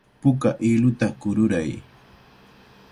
Puka hiluta kururay.